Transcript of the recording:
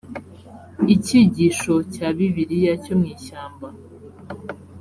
icyigisho cya bibiliya cyo mu ishyamba